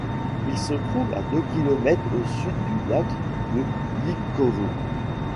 Il se trouve à deux kilomètres au sud du lac de Lipkovo.